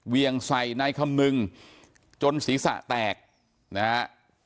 เวียงใส่นายคำนึงจนศีรษะแตกนะฮะ